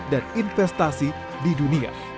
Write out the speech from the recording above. dan investasi di dunia